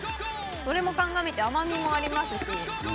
それも鑑みて甘みもありますし。